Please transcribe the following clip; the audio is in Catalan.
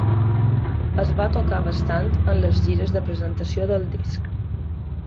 Es va tocar bastant en les gires de presentació del disc.